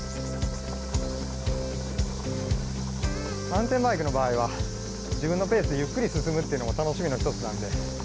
マウンテンバイクの場合は自分のペースでゆっくり進むっていうのも楽しみの一つなんで。